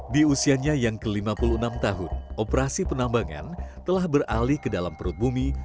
di usianya yang ke lima puluh enam tahun operasi penambangan telah beralih ke dalam perut bumi